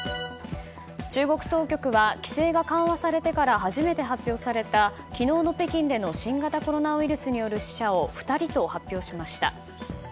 中国当局は規制が緩和されてから初めて発表された昨日の北京での新型コロナウイルスによる死者を２人と発表しました。